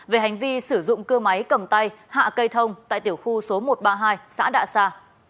về hành vi sử dụng cưa máy cầm tay hạ cây thông tại tiểu khu số một trăm ba mươi hai xã đạ sa